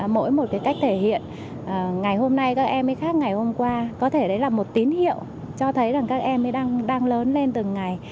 mỗi một cách thể hiện ngày hôm nay các em khác ngày hôm qua có thể đấy là một tín hiệu cho thấy các em đang lớn lên từng ngày